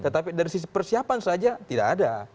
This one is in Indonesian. tetapi dari sisi persiapan saja tidak ada